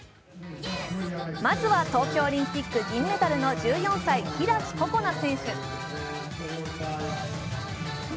まずは東京オリンピック銀メダルの１４歳、開心那選手。